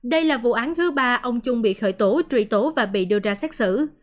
đây là vụ án thứ ba ông trung bị khởi tổ trụy tổ và bị đưa ra xét xử